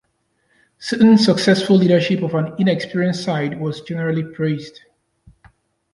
Sutton's successful leadership of an inexperienced side was generally praised.